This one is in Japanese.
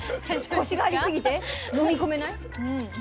コシがありすぎて飲み込めない？